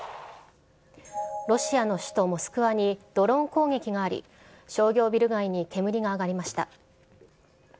ロシアの首都モスクワにドローン攻撃があり、商業ビル街に煙が上がりました。